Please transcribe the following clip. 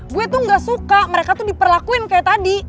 gue tuh gak suka mereka tuh diperlakuin kayak tadi